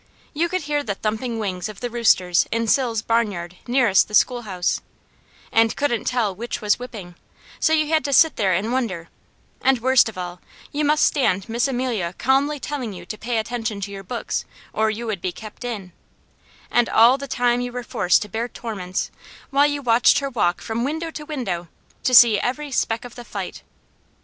You could hear the thumping wings of the roosters in Sills' barnyard nearest the schoolhouse, and couldn't tell which was whipping, so you had to sit there and wonder; and worst of all you must stand Miss Amelia calmly telling you to pay attention to your books or you would be kept in, and all the time you were forced to bear torments, while you watched her walk from window to window to see every speck of the fight.